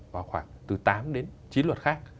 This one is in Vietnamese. vào khoảng từ tám đến chín luật khác